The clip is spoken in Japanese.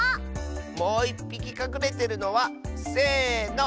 もういっぴきかくれてるのはせの。